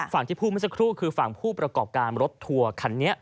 ที่พูดเมื่อสักครู่คือฝั่งผู้ประกอบการรถทัวร์คันนี้